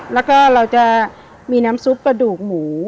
แล้วก็เราจะมีน้ำซุปกระดูกหมู